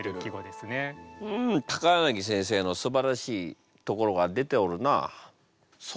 うん柳先生のすばらしいところが出ておるな。